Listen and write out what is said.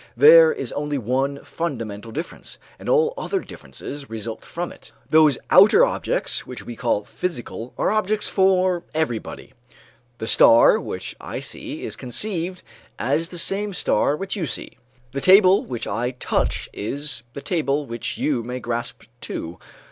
There is only one fundamental difference and all other differences result from it. Those outer objects which we call physical, are objects for everybody. The star which I see is conceived as the same star which you see, the table which I touch is the table which you may grasp, too.